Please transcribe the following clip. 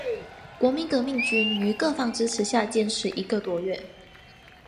国民革命军于各方支持下坚持一个多月。